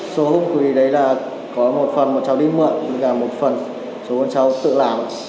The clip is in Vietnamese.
số không khí đấy là có một phần bọn cháu đi mượn và một phần số bọn cháu tự làm